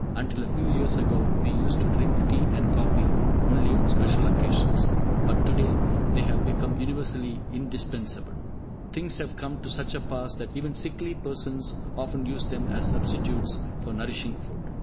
Until a few years ago, we used to drink tea and coffee only on special occasions, but to day they have become universally indispensable. Things have come to such a pass that even sickly persons often use them as substitutes for nourishing food!